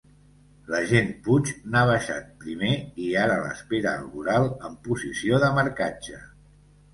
L'agent Puig n'ha baixat primer i ara l'espera al voral, en posició de marcatge.